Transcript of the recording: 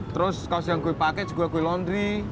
terus kaos yang gue pake juga gue laundry